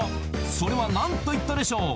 それは何と言ったでしょう？